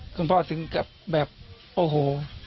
คุณพ่อถึงกับแบบโอ้โห